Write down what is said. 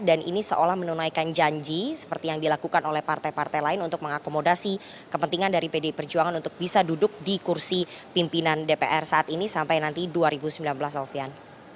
dan ini seolah menunaikan janji seperti yang dilakukan oleh partai partai lain untuk mengakomodasi kepentingan dari pd perjuangan untuk bisa duduk di kursi pimpinan dpr saat ini sampai nanti dua ribu sembilan belas alfian